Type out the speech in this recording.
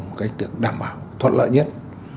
một cách được đảm bảo thuận lợi nhất